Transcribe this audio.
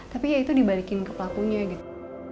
tapi ya itu dibalikin ke pelakunya gitu